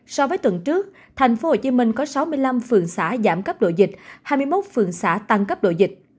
so với tuần trước thành phố hồ chí minh có sáu mươi năm phường xã giảm cấp độ dịch hai mươi một phường xã tăng cấp độ dịch